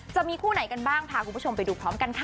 จะมีคู่ไหนกันบ้างพาคุณผู้ชมไปดูพร้อมกันค่ะ